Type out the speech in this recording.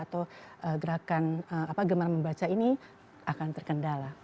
atau gerakan gemar membaca ini akan terkendala